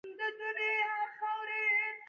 موبایل د بریښنا له لارې چارجېږي.